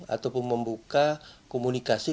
ataupun membuka komunikasi